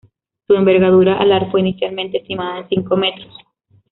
Su envergadura alar fue inicialmente estimada en cinco metros.